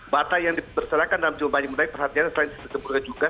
bata yang diperserahkan dalam jumlah yang menarik perhatian selain juga